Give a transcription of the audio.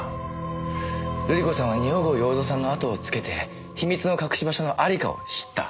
瑠璃子さんは二百郷洋蔵さんのあとをつけて秘密の隠し場所のありかを知った。